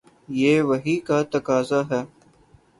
یہ وحی کا تقاضا ہے۔